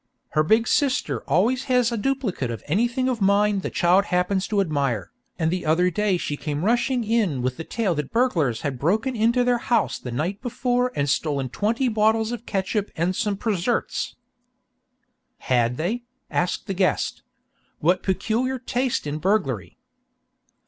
"Her big sister always has a duplicate of anything of mine the child happens to admire, and the other day she came rushing in with the tale that 'burglars' had broken into their house the night before and stolen twenty bottles of ketchup and 'some preserts.'" "Had they?" asked the guest. "What peculiar taste in burglary!"